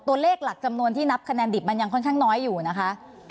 ตัวเลขหลักจำนวนที่นับคะแนนดิบมันยังค่อนข้างน้อยอยู่นะคะ